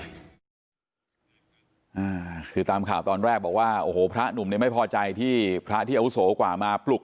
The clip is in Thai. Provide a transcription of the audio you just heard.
อ่าคือตามข่าวตอนแรกบอกว่าโอ้โหพระหนุ่มเนี่ยไม่พอใจที่พระที่อาวุโสกว่ามาปลุก